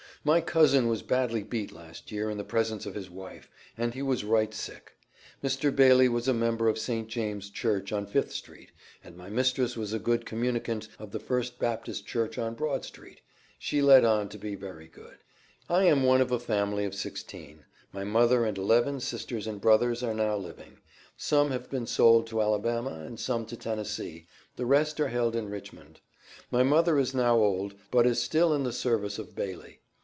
My cousin was badly beat last year in the presence of his wife, and he was right sick. Mr. Bailey was a member of St. James' church, on Fifth street, and my mistress was a communicant of the First Baptist church on Broad Street. She let on to be very good." "I am one of a family of sixteen; my mother and eleven sisters and brothers are now living; some have been sold to Alabama, and some to Tennessee, the rest are held in Richmond. My mother is now old, but is still in the service of Bailey.